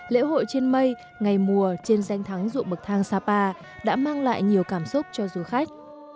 lễ hội trên mây ngày mùa trên danh thắng dụ bậc thang sapa đã mang lại nhiều cảm xúc cho du khách